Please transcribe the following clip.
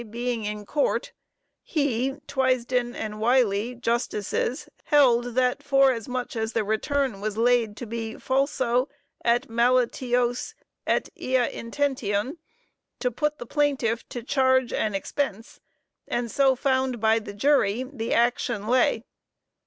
being in court; he, Twysden & Wylie, Js. held that for as much as the return was laid to be falso et malitiose et ea intentione, to put the plaintiff to charge and expense, and so found by the jury, the action lay.